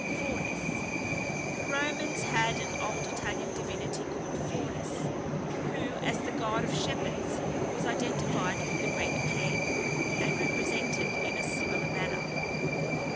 FAUNUS. The Romans had an old Italian divinity called Faunus, who, as the god of shepherds, was identified with the Greek Pan, and represented in a similar manner.